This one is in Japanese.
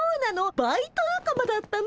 バイト仲間だったの？